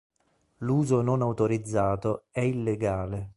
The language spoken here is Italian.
L'uso non autorizzato è illegale.